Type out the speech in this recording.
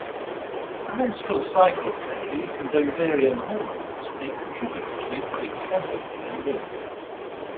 The menstrual cycle phase and ovarian hormones may contribute to increased empathy in women.